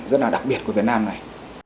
rất là đặc biệt của việt nam này